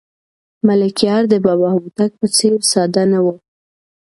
ملکیار د بابا هوتک په څېر ساده نه و.